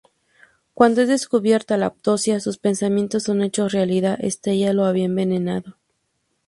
Cuando es descubierta la autopsia, sus pensamientos son hechos realidad: Stella lo había envenenado.